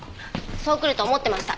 そう来ると思ってました。